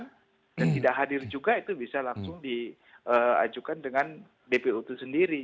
dan tidak hadir juga itu bisa langsung diajukan dengan dpo itu sendiri